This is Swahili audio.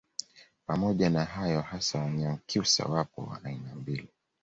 Pamoja na hayo hasa Wanyakyusa wapo wa aina mbili